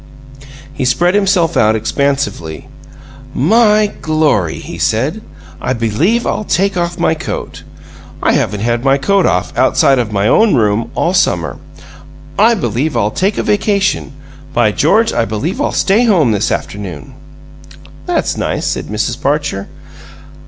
He spread himself out expansively. "My Glory!" he said. "I believe I'll take off my coat! I haven't had my coat off, outside of my own room, all summer. I believe I'll take a vacation! By George, I believe I'll stay home this afternoon!" "That's nice," said Mrs. Parcher.